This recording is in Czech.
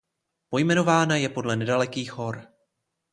Pojmenována je podle nedalekých hor.